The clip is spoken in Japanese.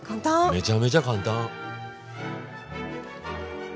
めちゃめちゃ簡単。